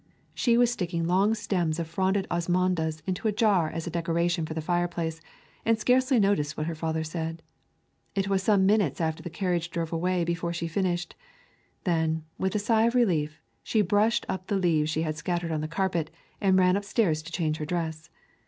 She was sticking long stems of fronded Osmundas into a jar as a decoration for the fireplace, and scarcely noticed what her father said. It was some minutes after the carriage drove away before she finished; then, with a sigh of relief, she brushed up the leaves she had scattered on the carpet, and ran upstairs to change her dress.